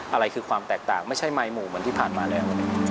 อะไรคือความแตกต่างไม่ใช่มายหมู่เหมือนที่ผ่านมาแล้ว